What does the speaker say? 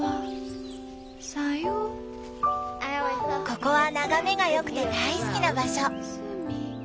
ここは眺めが良くて大好きな場所。